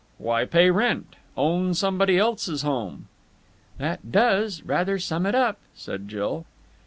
'Why pay rent? Own somebody else's home!'" "That does rather sum it up," said Jill.